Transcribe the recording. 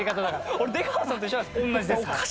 俺出川さんと一緒なんですか？